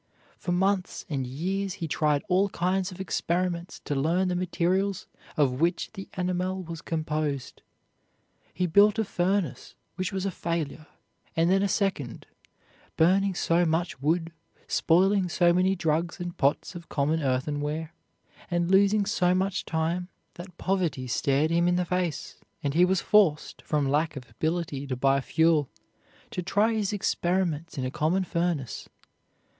For months and years he tried all kinds of experiments to learn the materials of which the enamel was compounded. He built a furnace, which was a failure, and then a second, burning so much wood, spoiling so many drugs and pots of common earthenware, and losing so much time, that poverty stared him in the face, and he was forced, from lack of ability to buy fuel, to try his experiments in a common furnace.